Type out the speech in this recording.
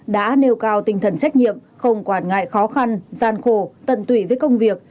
đã nêu cao tinh thần trách nhiệm không quản ngại khó khăn gian khổ tận tụy với công việc